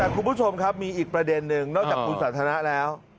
คุณผู้ชมครับมีอีกประเด็นหนึ่งนอกจากคุณสันทนะแล้ว